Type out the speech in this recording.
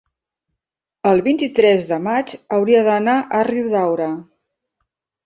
el vint-i-tres de maig hauria d'anar a Riudaura.